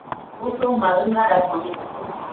Usuma ɨnarako nite